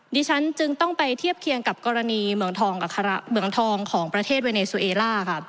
ดิฉันจึงต้องไปเทียบเคียงกับกรณีเหมืองทองเหมืองทองของประเทศเวเนซูเอล่าค่ะ